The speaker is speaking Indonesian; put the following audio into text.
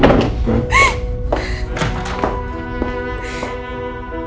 tapi kenapa ini dikeluarkan